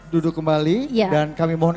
duduk kembali dan kami mohon